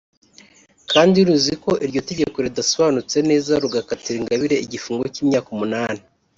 kandi ruzi ko iryo tegeko ridasobanutse neza rugakatira Ingabire igifungo cy’imyaka umunani